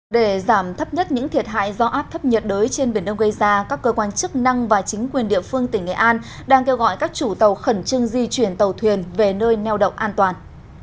để giảm thấp nhất những thiệt hại do áp thấp nhiệt đới trên biển đông gây ra các cơ quan chức năng và chính quyền địa phương tỉnh nghệ an đang kêu gọi các chủ tàu khẩn trưng di chuyển tàu thuyền về nơi neo đậu an toàn